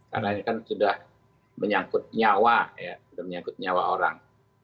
karena ini kan sudah menyangkut nyawa menyangkut nyawa orang